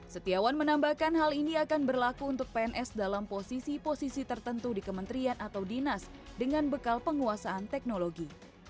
setiawan menambahkan hal ini akan berlaku untuk pns dalam posisi posisi tertentu di kementerian atau dinas dengan bekal penguasaan teknologi